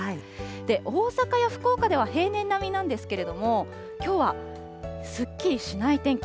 大阪や福岡では、平年並みなんですけれども、きょうはすっきりしない天気。